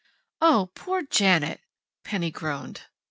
"Oh, poor Janet!" Penny groaned.